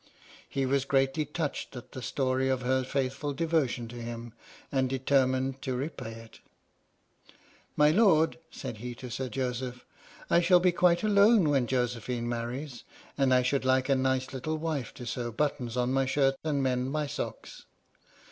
He was greatly touched at the story of her faithful devotion to him, and determined to repay it. 125 H.M.S. "PINAFORE" " My Lord," said he to Sir Joseph, " I shall be quite alone when Josephine marries, and I should like a nice little wife to sew buttons on my shirt and mend my socks."